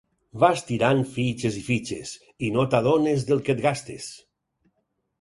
Vas tirant fitxes i fitxes, i no t'adones del que et gastes.